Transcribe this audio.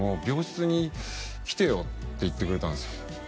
「病室に来てよ」って言ってくれたんすよ